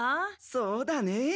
そうだね。